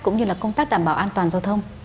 cũng như là công tác đảm bảo an toàn giao thông